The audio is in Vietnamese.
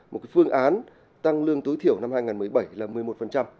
một phương án tăng lương tối thiểu năm hai nghìn một mươi bảy là một mươi một